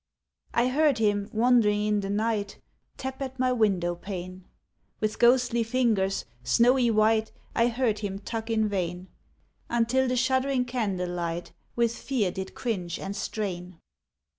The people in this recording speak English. I heard him, wandering in the night, Tap at my window pane, With ghostly fingers, snowy white, I heard him tug in vain, Until the shuddering candle light With fear did cringe and strain.